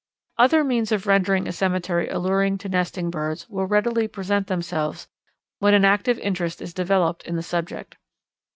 Other means of rendering a cemetery alluring to nesting birds will readily present themselves when an active interest is developed in the subject.